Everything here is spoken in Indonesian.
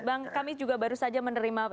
bang kami juga baru saja menerima